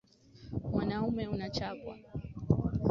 Mwanaume unachapwa.